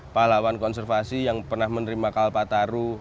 pahlawan konservasi yang pernah menerima kalpataru